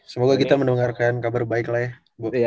semoga kita mendengarkan kabar baik lah ya